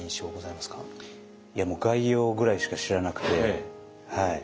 いやもう概要ぐらいしか知らなくて。